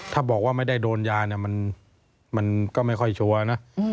ถ้าบอกว่าไม่ได้โดนยาเนี่ยมันก็ไม่ค่อยชัวร์นะ